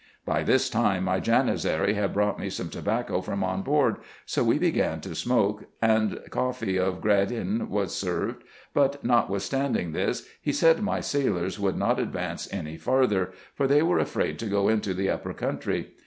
By this time my Janizary had brought me some tobacco from on board ; so we began to smoke ; and coffee of gryadan was served ; but, not withstanding this, he said my sailors would not advance any farther, for they were afraid to go into the upper country.